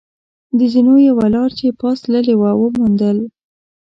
د زینو یوه لار چې پاس تللې وه، و موندل.